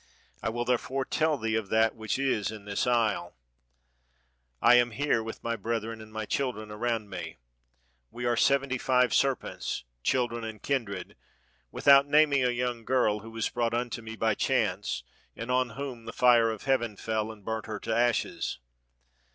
I will therefore tell thee of that which is in this isle. I am here with my brethren and my chil dren aroimd me; we are seventy five serpents, children, and kindred; without naming a young girl who was brought unto me by chance, and on whom the fire of heaven fell, and burnt her to ashes.